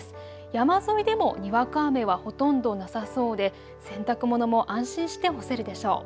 山沿いでもにわか雨はほとんどなさそうで洗濯物も安心して干せるでしょう。